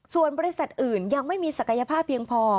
ส่วนบริษัทอื่นยังไม่มีศักยภาพเพียงพอ